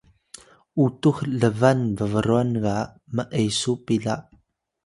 utux lban bbrwan ga m’esu pila